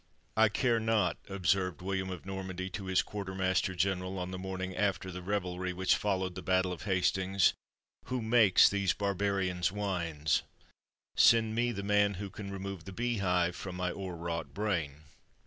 "I care not," observed William of Normandy to his quartermaster general, on the morning after the revelry which followed the Battle of Hastings, "who makes these barbarians' wines; send me the man who can remove the beehive from my o'erwrought brain."